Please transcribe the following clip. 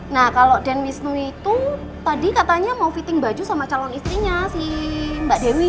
nah kalau den wisnu itu tadi katanya mau fitting baju sama calon istrinya si mbak dewi